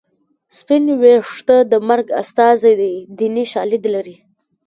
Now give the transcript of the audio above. سپین ویښته د مرګ استازی دی دیني شالید لري